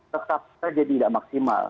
tetap saja tidak maksimal